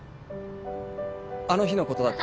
あの日のことだって。